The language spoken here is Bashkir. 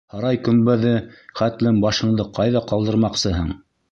— Һарай көмбәҙе хәтлем башыңды ҡайҙа ҡалдырмаҡсыһың?